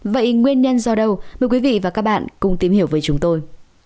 vậy nguyên nhân do đâu mời quý vị và các bạn cùng tìm hiểu với chúng tôi